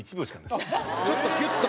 ちょっとギュッと？